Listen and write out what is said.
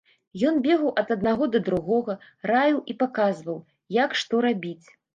Ён бегаў ад аднаго да другога, раіў і паказваў, як што рабіць.